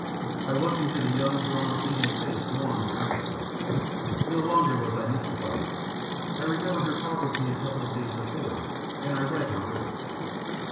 I looked into the young, drawn, pleading face long and earnestly. No longer was I mystified. I remembered her talk with me a couple of days before, and I read her riddle.